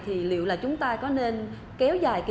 thì liệu là chúng ta có nên kéo dài